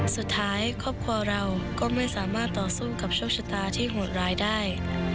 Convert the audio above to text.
สุดท้ายครอบครัวเราก็ไม่สามารถต่อสู้กับโชคชะตาที่โหดร้ายได้